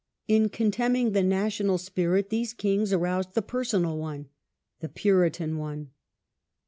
In contemning the national spirit these kings aroused the personal one — the Puritan one.